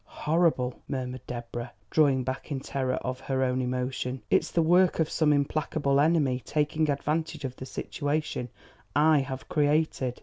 "Horrible!" murmured Deborah, drawing back in terror of her own emotion. "It's the work of some implacable enemy taking advantage of the situation I have created.